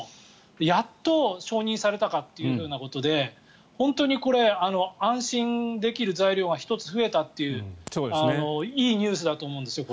やっと承認されたかということで本当に安心できる材料が１つ増えたといういいニュースだと思うんです。